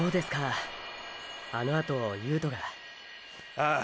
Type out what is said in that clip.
ああ！！